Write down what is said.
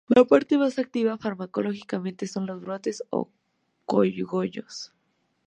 La parte más activa farmacológicamente son los brotes o "cogollos".